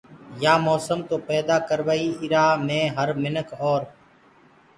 يآ موسم تو پيدآ ڪروئي ايرآ مي هر مِنک اور